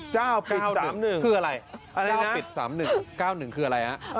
เจ้าปิด๓๑คืออะไรเจ้าปิด๓๑๙๑คืออะไรนะ